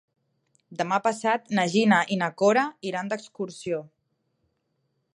Demà passat na Gina i na Cora iran d'excursió.